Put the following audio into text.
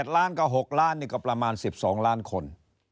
๘ล้านก็๖ล้านก็ประมาณ๑๒ล้านคน